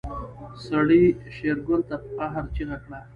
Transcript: سړي شېرګل ته په قهر چيغه کړه.